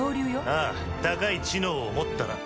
ああ高い知能を持ったな。